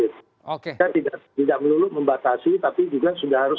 kita tidak melulu membatasi tapi juga sudah harus